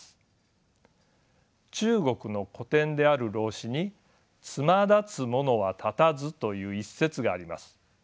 中国の古典である老子に「つまだつ者は立たず」という一節があります。